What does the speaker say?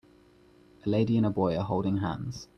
A lady and a boy are holding hands.